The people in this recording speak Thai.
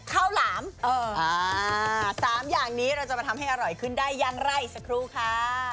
หลาม๓อย่างนี้เราจะมาทำให้อร่อยขึ้นได้อย่างไรสักครู่ค่ะ